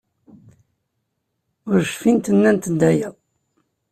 Ur cfint nnant-d aya.